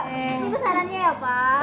ganti besarannya ya pak